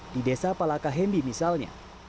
di desa palakahembi misalnya